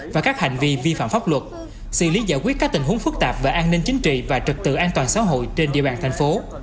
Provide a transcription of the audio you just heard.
và các hành vi vi phạm pháp luật xử lý giải quyết các tình huống phức tạp về an ninh chính trị và trực tự an toàn xã hội trên địa bàn thành phố